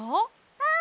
うん！